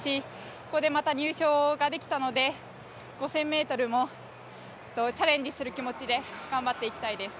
ここでまた入賞できたので、５０００ｍもチャレンジする気持ちで頑張っていきたいです。